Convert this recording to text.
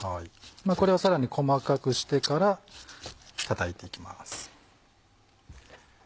これをさらに細かくしてからたたいていきます。